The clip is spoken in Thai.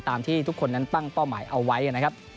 ที่ทุกคนนั้นตั้งเป้าหมายเอาไว้นะครับ